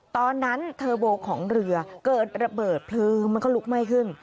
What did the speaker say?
ตอนนั้นเทอร์โบของเรือเกิดระเบิดเพลิงมันก็ลุกไหม้ขึ้น